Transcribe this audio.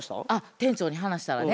店長に話したらね